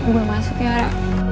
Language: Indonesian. gue masuk ya ra